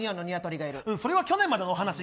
それは去年までの話。